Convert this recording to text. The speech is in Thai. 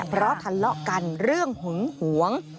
เพราะทะเลาะกันเรื่องหึงหวง